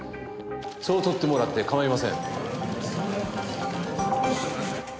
そう取ってもらって構いません。